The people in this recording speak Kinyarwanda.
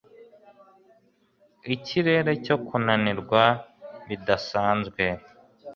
Ikirere cyo kunanirwa bidasanzwe